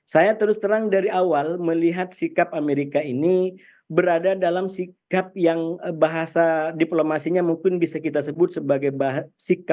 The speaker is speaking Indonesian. saya terus terang dari awal melihat sikap amerika ini berada dalam sikap yang bahasa diplomasinya mungkin bisa kita sebut sebagai sikap